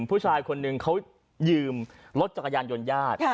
ผู้ชายคนหนึ่งเขายืมรถจักรยานยนต์ญาติ